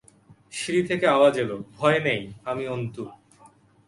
সিঁড়ি থেকে আওয়াজ এল, ভয় নেই, আমি অন্তু।